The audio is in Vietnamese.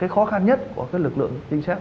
cái khó khăn nhất của lực lượng chính xác